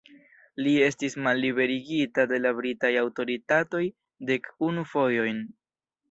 Li estis malliberigita de la britaj aŭtoritatoj dek unu fojojn.